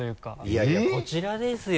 いやいやこちらですよ